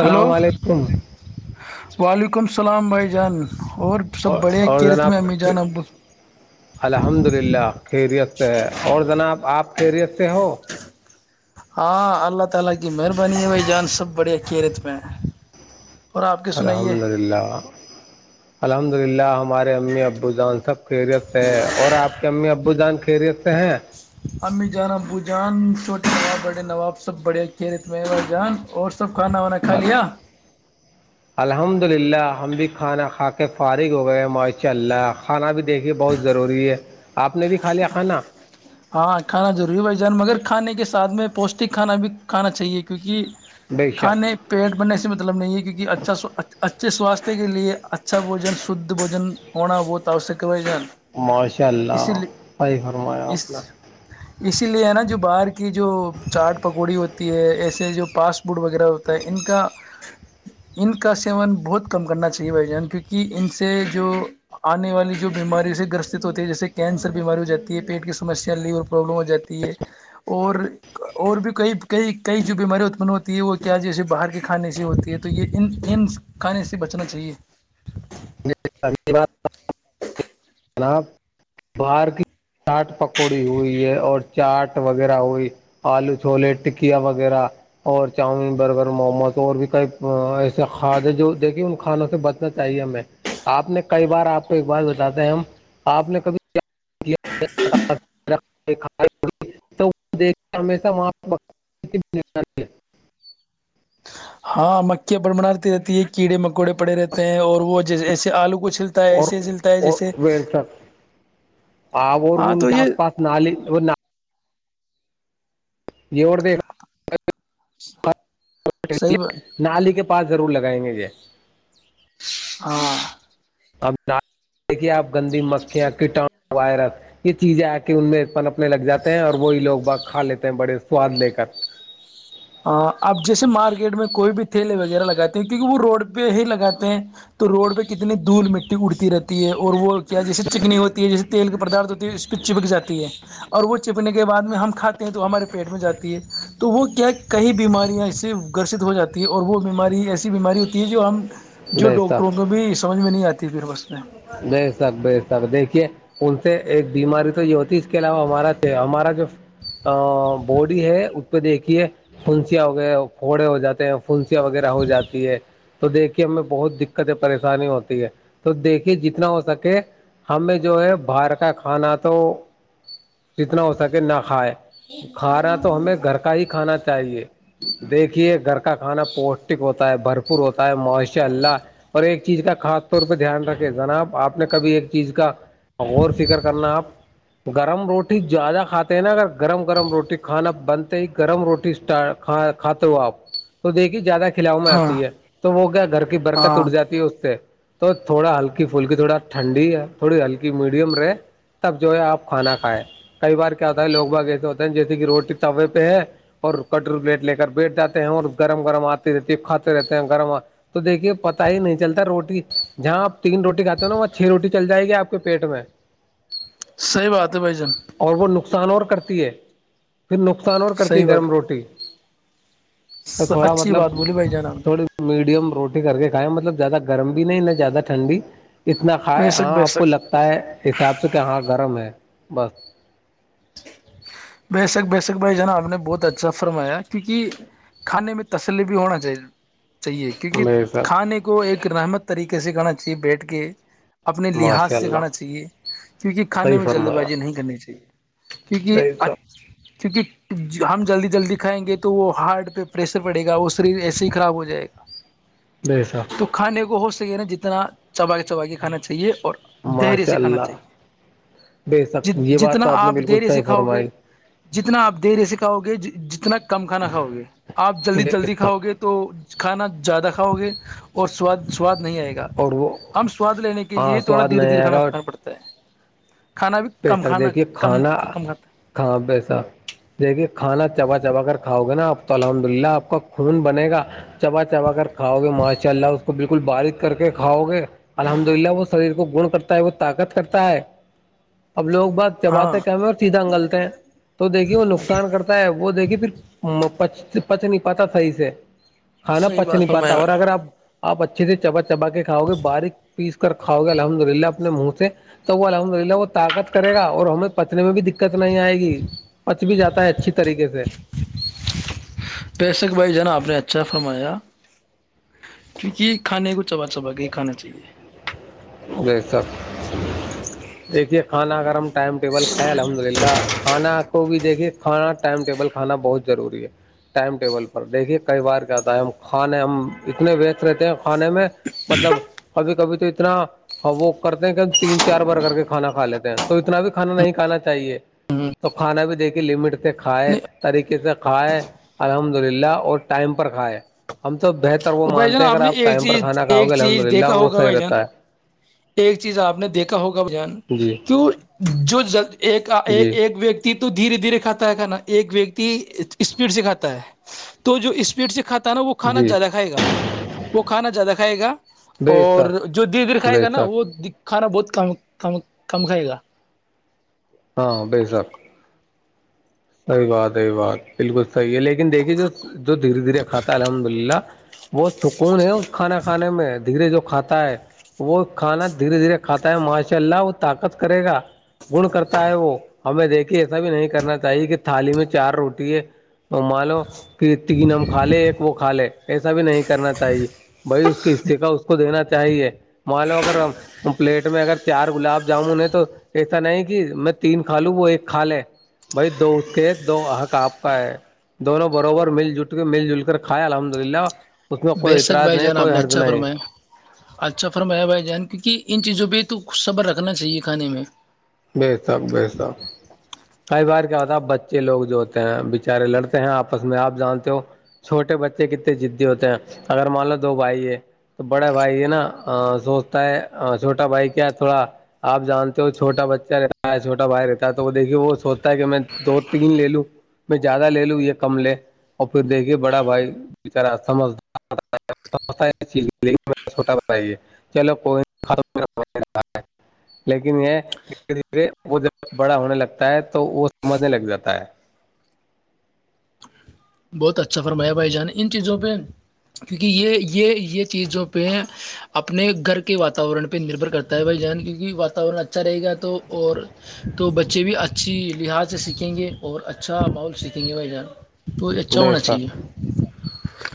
hello علیکم وعلیکم السلام بھائی جان اور سب بڑے اور کی رت جناب میں امی جان ابو الحمد للہ خیریت سے ہے اور جناب آپ خیریت سے ہو ہاں اللہ تعالی کی مہربانی ہے بھائی جان سب بڑھیا کی رت میں اور آپ کے سنائیے الحمد للہ الحمد للہ ہمارے امی ابو جان سب خیریت سے ہے اور آپ کے امی ابو جان خیریت سے ہیں امی جان ابو جان چھوٹے نواب بڑے نواب سب بڑے کیرت میں ب جان اورب سب کھانا وانا کا لیا الحمد للہ ہم بھی کھانا کھا کے فارغ ہو گئے معاشاء اللہ کھانا بھی دیکھیے بہت ضروری ہے آپ نے بھی کھا لیا کھانا ہاں کھانا ضروری ہے بھائی جان مگر کھانے کے ساتھ میں پوشٹک کھانا بھی کھانا چاہیے کیونکہ بے شک کھانے پیٹ بھرنے سے مطلب نہیں ہے کیونکہ اچھا اچھے سواستھ کے لیے اچھا بوجن شدھجن ہونا بہتف س کے و گن ماشاء اللہ فائی فرمایا اپ نے اس اسی لیے ہے نا جو باہر کی جو چاٹ پکوڑی ہوتی ہے ایسے جو پاسٹ بٹ وغیرہ ہوتا ہے ان کا ان کا سیون بہت کم کرنا چاہیے بھائی جان کیونکہ ان سے جو آنے والی جو بیماریوں سے گرسستت ہوتی ہے جیسے کینسر بیماری ہو جاتی ہے پیٹ کی سمسیا لی اور پرابلم ہو جاتی ہے اور اور بھی کئی کئی کئی جو بیمارییاں اتپن ہوتی ہے وہ کیا جیسے باہر کے کھانے سے ہوتی ہے تو یہ ان ان کھانے سے بچنا چاہیے [inaudible] ا بات جاں باہر کی چاٹ پکوڑی ہوئی ہے اور چاٹ وغیرہ ہوئی آلو چھولے ٹکیا وغیرہ اور چاؤمین برگر موموس اور بھی کئی ایسے کھاد ہیں جو دیکھیے ان کھانوں سے ب چاہیے ہمیں آپ نے کئی بار آپ کو ایک بات بتاتے ہیں ہم آپ نے کبھی کیا کیا دیک کے ہشہاں چلیے ہاں مکیا بڑ بنی رہتی ہے کیڑے مکوڑے پڑے رہتے ہیں اور وہ ج ایسے آلو کو چھل ہے اور ایسے جلتا ہے اور جیسے ویلسر ہاں ان تو کے یہ آس پاس نال اور یہیور دیکھ اچھا نی کے پاس ضرور لگائیں گے یہ ہاں اب دیکھیے آپ گندی مکھیاں کیٹا وائرس یہ چیزیں آ کہ ان میں پن اپنے لگ جاتے ہیں اور وہی لوگ ب کھا لیتے ہیں بڑے سواد لے کر اب جیسے مارکیٹ میں کوئی بھی تھیلے وغیرہ لگاتے ہیں کیونکہ وہ روڈ پہ ہی لگاتے ہیں تو روڈ پہ کتنی دھول مٹی اڑتی رہتی ہے اور وہ کیا جیسے چکنی ہوتی ہے جیسے تیل کی پدارتھ ہوتی ہے اس کی چپک جاتی ہے اور وہ چپنے کے بعد میں ہم کھاتے ہیں تو ہمارے پیٹ میں جاتی ہے تو وہ کیا کئی بیماریاں اس سے گرست ہو جاتی ہیں اور وہ بیماری ایسی بیماری ہوتی ہے جو ہم جو بے شک ڈاکٹروں کو بھی سمجھ میں نہیں آتی پھر بس میں بے سک بے سک دیکھیے ان سے ایک بیماری تو یہ ہوتی اس کے علاوہ ہمارا ہمارا جو باڈی ہے اس پہ دیکھیے کنسیاں ہو گیا پھوڑے ہو جاتے ہیں پنسیاں وغیرہ ہو جاتی ہے تو دیکھیے ہمیں بہت دقتیں پریشانی ہوتی ہے تو دیک جتنا ہو سکے ہمیں جو ہے باہر کا کھانا تو جتنا ہو سکے نہ کھائے کھاانا تو ہمیں گھر کا ہی کھانا چاہیے دیکھیے گھر کا کھانا پوشٹک ہوتا ہے بھرپور ہوتا ہے معاش اللہ اور ایک چیز کا خاص طور پہ دھیان رکھے جناب آپ نے کبھی ایک چیز کا غور فکر کرنا آپ گرم روٹی زیادہ کھاتے ہیں نا اگر گرم گرم روٹی کھانا بنتے ہی گرم روٹی کھاتے ہو آپ تو دیکھیے زیادہ کھلاؤ میں ہاں آتی ہے تو وہ گ گھر کی برکت ہاں اٹ جاتی ہے اس سے تو تھوڑا ہلکی پھلکی تھوڑا ٹھنڈی ہے تھوڑی ہلکی میڈیم رہے تب جو ہے آپ کھانا کھائے کئی بار کیا ہوتا ہے لوگ باگ ایسے ہوتے ہیں جیسے کہ روٹی تے پہ ہے اور کٹری پلیٹ لے کر بیٹھ جاتے ہیں اور گرم گرم آتی رہتی ہے کھاتے رہتے ہیں گرم تو دیکھیے پتا ہی نہیں چلتا روٹی جہاں آپ تین روٹی کھاتے ہو نا وہاں چھ روٹی چل جائے گی آپ کے پیٹ میں صحیح بات ہے بھ جان اور وہ نقصان اور کرتی ہے پھر نقصان اور کرتی صحیح ہے بات گرم روٹی تو تھوڑا اچھی مطلب بات بولی بھائی جان آپ نے تھوڑی میڈیم روٹی کر کے کھایا مطلب زیادہ گرم بھی نہیں نہ زیادہ ٹھنڈی اتنا بے کھائے شک ہاں بے آپ شک کو لگتا ہے حساب سے کہ ہاں گرم ہے بس بےسک بیسک بھائی ج نا آپ نے بہت اچھا فرمایا کیونکہ کھانے میں تسلی بھی ہونا چاہیے چاہیے کیونکہ بے شک کھانے کو ایک رحمت طریقے سے کرنا چاہیے بیٹھ کے اپنے لحاظ ماشاء سے اللہ کھانا چاہیے کیونکہ کھانے صحیح میں جلد فرمایا بازی نہیں کرنی چاہیے کیونکہ بے ا شک چونکہ ہم جلدی جلدی کھائیں گے تو وہ ہارٹ پہ پریشر پڑے گا وہ شریر ایسے ہی خراب ہو جائے گا بییسا تو کھانے کو ہو سکے نا جتنا چباک کے چباک کے کھانا چاہیے اور دھیر ماشاء سےکھھانا اللہ چاہیے بے شک ج یہ بات جتنا تو نے آپ بالکل دیر سے صحیح کھاؤ گے فرمائی جتنا آپ دیر ایسے کھاؤ گے جتنا کم کھانا کھاؤ گے آپ جلدی بے جلدی کھاؤ شک گے تو کھانا زیادہ کھاؤ گے اور سواد سواد نہیں آئے گا اور وہ ہم سواد لینے کے ہاں لیے تھوڑا سواد دھیرے نہیں دھیر آئے کھانا گا اور پکانا پڑتا ہے کھانا بھی کم کھانا کم ہ کم کھاتا ہے ہاں پیسا دیکھیے کھانا چبا چبا کر کھاؤ گے نا آپ تو الحمد للہ آپ کا خون بنے گا چبا چبا کر کھاؤ گے ماشاء اللہ اس کو بالکل بارش کر کے کھاؤ گے الحمد للہ وہ شریر کو گڑ کرتا ہے وہ طاقت کرتا ہے اب لوگ بات ہاں چبات کیم اور سیدھاگلتے ہیں تو دیکھیے وہ نقصان کرتا ہے وہ دیکھیے پھرچ پچ نہیں پاتا صحیح سے ہانا صحیح پچ بات نہیں پاتا فرمایا اور اگر آپ آپ اچھے سے چبا چبا کے کھاؤ گے باریک پیس کر کھاؤ گے الحمد للہ اپنے منہ سے تو وہ الحمد للہ وہ طاقت کرے گا اور ہمیں پچنے میں بھی دقت نہیں آئے گی پچ بھی جاتا ہے اچھی طریقے سے پیسک بھائی ج نا آپ نے اچھا فرمایا کیونکہ کھانے کو چبا چبا کے ہی کانا چاہیے جیسا دیکھیے کھانا اگر ہم ٹائم ٹیبل کھائے الحمد للہ کھانا آ کو بھی دیکھیے کھانا ٹائم ٹیبل کھانا بہت ضروری ہے ٹائم ٹیبل پر دیکھیے کئی بار کیا ہوتا ہے ہم کھانے ہم اتنے وچ رہتے ہیں کھانے میں مطلب کبھی کبھی تو اتنا وہ کرتے ہیں کہ ہم تین چار بار کر کے کھانا کھا لیتے ہیں اتنا بھی کھانا نہیں کھانا چاہیے تو کھانا بھی دیکھیے لمٹ کھائے نہیں طریقے سے کھائے الحمد للہ اور ٹائم پر کھائے ہم تو بہتر وہ بھائی مانتے جان ہیں اگر نے آپ ایک ٹائم پر چیز کھانا کھاؤ گے ایک الحمد چیز للہ دیکھا وہ ہوگا صحیح بھائی جان رہتا ہے ایک چیز آپ نے دیکھا ہوگا ب جان جی کیوں جو ج ایک جی ایک و تو دھیرے دھیرے کھاتا ہے کھانا ایک ویکتی اسپیڈ سے کھاتا ہے تو جو اسپیڈ سے کھاتا نا وہ کھانا جی زیادہ کھائے گا وہ کھانا زیادہ کھائے گا بے اور شک جو دھیرے دھیرے کھا کھائے بے گا نا شک وہ کھانا بہت کم ک کم کھائے گا ہاں بیے سر صحی بات صحی بات بالکل صحیح ہے لیکن دیکھیے جو جو دھیرے دھیرے کھاتا ہے الحمد للہ بہت سکون ہے اس کھانا کھانے میں دھیرے جو کھاتا ہے وہ کھانا دھیرے دھیرے کھاتا ہے ماشاء اللہ وہ طاقت کرے گا گن کرتا ہے وہ ہمیں دیکھیے ایسا بھی نہیں کرنا کہ تھالی میں چار روٹی ہے مان لو کہ تین ہم کھا لے ایک وہ کھا لے ایسا بھی نہیں کرنا چاہیے بھائی اس کی استفا اس کو دینا چاہیے م لو اگر ہم [unintelligible] پلیٹ میں اگر چار گلاب جامن ہے تو ایسا نہیں کہ میں تین کھا لوں وہ ایک کھا لے بھائی دو اس کے دو اک آپ کا ہے [unintelligible] دونوں بربر مل جل کے مل جل کر کھائے الحمد للہ اس میں بے کوئی شک اطراض بھائی نہیں جان آپ کوئی نے حرض اچھا نہیں فرمایا اچھا فرمایا بھائی جان کیونکہ ان چیزوں پہ توھ صبر رکھنا چاہیے کھانے میں ب تاک ب تاک [unintelligible] کئی بار کیا ہوتا ہے بچے لوگ جو ہوتے ہیں بچارے لڑتے ہیں آپس میں آپ جانتے ہو چھوٹے بچے کتنے دی ہوتے ہیں اگر مان لو دو بھائی ہے تو بڑے بھائی ہے نا [unintelligible] سوچتا ہے چھوٹا بھائی کیا تھوڑا آپ جانتے ہو چھوٹا بچہ ا رہتا ہے چھوٹا بھائی رہتا ہے تو وہ دیکھیے وہ سوچتا ہے کہ میں دو تین لے لوں میں زیادہ لے لوں یہ کم لے اور پھر دیکھیے بڑا بھائی مجھ چھوٹا بتائیے [unintelligible] چلو کوئی نہیں لیکن یہ [unintelligible] دھیرے دھیرے وہ جب بڑا ہونے لگتا ہے تو وہ سمجھنے لگ جاتا ہے بہت اچھا فرمایا بھائی جان ان چیزوں پہ کیونکہ یہ یہ یہ چیزوں پہ اپنے گھر کے واتاورن پہ نربھر کرتا طہ بھائی جان کیونکہ واتاورن اچھا رہے گا تو اور تو بچے بھی اچھی لحاظ سے سیکھیں گے اور اچھا ماحول سیکھیں گے بھائی جان تو اچھا بے ہونا سک چاہیے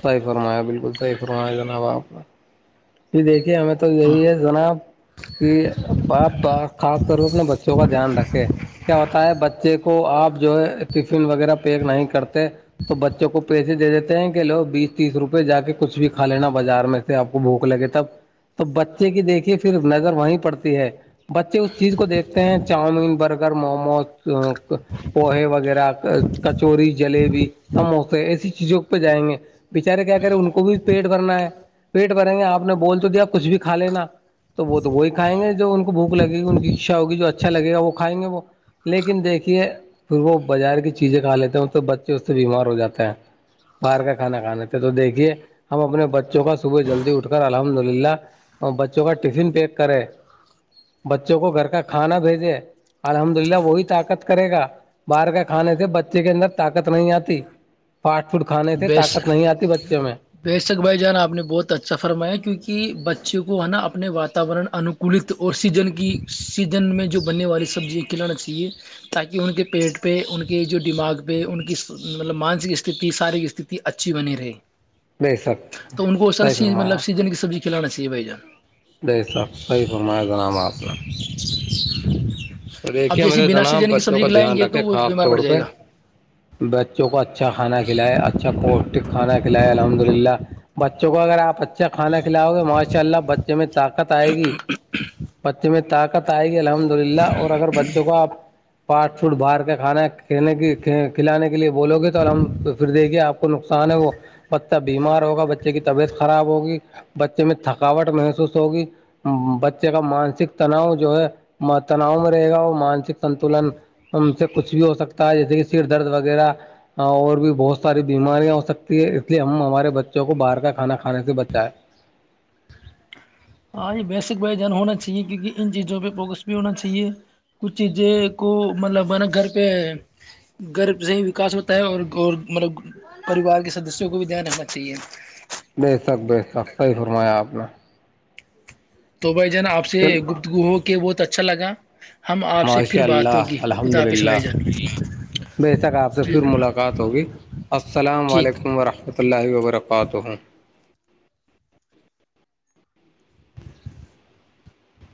صحیح فرمایا بالکل صحیح فرمایا جناب آپ نے جی دیکھیے ہمیں تو ہاں یہی ہے جناب کہ بپ خاص طور اپنے بچوں کا دھیان رکھے کیا ہوتا ہے بچے [unintelligible] کو آپ جو ہے ٹفن وغیرہ پیک نہیں کرتے تو بچوں کو پیسے دے دیتے ہیں کہ لو بیس تیس روپے جا کےچھ کھا لینا بازار میں سے آپ کو ب لگے تب تو بچے کی دیکھیے پھر نگر وہیں پڑتی ہے [unintelligible] بچے اس چیز کو دیکھتے ہیں چاؤمین برگر موموز پوہے وغیرہ کچوری جلیبی سموسے ایسی چیزوں کو پہ جائیں گے بےچارے کیا کریں ان کو بھی پیٹ بھرنا ہے پیٹ بھریں گے آپ نے بول تو دیا کچھ بھی کا لینا تو وہ تو وہی کھائیں گے جو ان کے کو بوک لگےی ان کی اچھاگی جو اچھا لگےا وہھائیں گے وہ [unintelligible] لیکن دیکھیے پھر وہ بازار کی چیزیں کھا لیتے ہیںوں تو بچے اس سے بیمار ہو جاتے ہیں [unintelligible] باہر کا کھان کانے تھے تو دیکھیے ہم اپنے بچوں کا صبح جلدی اٹھ الحمد للہ بچوں کا ٹفن پیک کرے بچوں کو گھر کا کھانا بھیجے الحمد للہ وہی طاقت کرے گا باہر کا کھانے سے بچے کے اندر طاقت نہیں آتی فاسٹ فوڈ کھانے تھے طاقت نہیں آتی بچوں میں ویشک بھائی جانا آپ نے بہت اچھا فرمایا کیونکہ بچوں کو ہے نا اپنے واتاورن ان [unintelligible] کلت اور سیزن کی سیزن میں جو بننے والی سبزیاں کھلانا چاہیے [unintelligible] تاکہ ان کے پیٹ پہ ان کے جو دماغ پہ ان کی مطلب مانسک استھی کی استھتی اچھی بنی رہی بے شک تو ان کو ایسا نا صحیح سی فرمایا مطلب سیزن کی سبزی کی چھلانا سی بھ جان [unintelligible] ب شخ صحیح فرما ج نام آپ نے [unintelligible] تو آپ دیکھیے جیسیے میرے بناسی جناب جنے کی بچوں سبزی کا کھلائیں دھیان گے تو رکھے وہ خاص بیمار پڑ طور جائے پہ گا بچوں کو اچھا کھانا کھلائے اچھا پوشٹک کھانا کھلائے الحمد للہ بچوں کو اگر آپ اچھا کھانا کھلاؤ گے ماشاء اللہ بچوں میں طاقت آئے گی بچی میں طاقت آئے گی الحمد للہ اور اگر بچوں کو آپ پاٹ فوٹ باہار کے کھانا ک کی کھلانے کے لیے بولو گے تو ہم تو پھر دیکھیے آپ کو نقصان ہے وہ بچہ بیمار ہوگا بچے کی طبیعت خراب ہوگی بچے میں تھکاوٹ محسوس ہوگی بچے کا مانسک تناؤ جو ہے تناؤ میں رہے گا وہ مانسک سنتولن سے کچھ بھی ہو سکتا ہے جیسے کہ سر درد وغیرہ اور بھی بہت ساری بیماریاں ہو سکتی ہے اس لیے ہمارے بچوں کو باہر کا کھانا کھانے سے بچائیں ہاں یہ بیسک وائیجان ہونا چاہیے کیونکہ ان چیزوں پہ فوکس بھی ہونا چاہیے کچھ چیزیں کو مطلب ہے نا گھر پہ گرب سے ہی وکاس ہوتا ہے اور مطلب پریوار کے سدسیوں کو بھی دھیان رکھنا چاہیے بے شک بےش تک صحیح فرمایا آپ نے تو بھائی جانا آپ سے چل گپتگو ہو کے بہت اچھا لگا ہم آپ سے ماشاء پھر بات اللہ ہوگی خد الحمد آپ للہ سلائی جان بے شک آپ سے پھر ٹھیک ملاقات ہوگی السلام ٹھیک علیکم ورحمۃ اللہ وبرکات ہوں